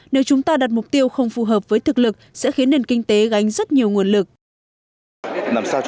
nếu chúng ta đặt mục tiêu không phù hợp với thực lực sẽ khiến nền kinh tế gánh rất nhiều nguồn lực